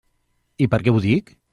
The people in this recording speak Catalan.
I per què ho dic?